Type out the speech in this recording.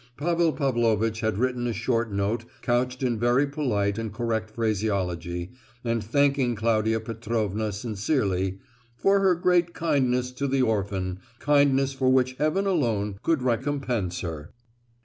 Pavel Pavlovitch had written a short note couched in very polite and correct phraseology, and thanking Claudia Petrovna sincerely "for her great kindness to the orphan—kindness for which heaven alone could recompense her."